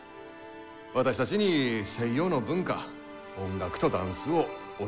私たちに西洋の文化音楽とダンスを教えてくださいます。